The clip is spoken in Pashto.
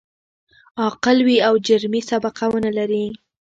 عاقل وي او جرمي سابقه و نه لري.